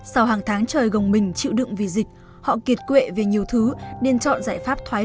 sau hàng tháng trời gồng mình chịu đựng vì dịch họ kiệt quệ về nhiều thứ nên chọn giải pháp thoái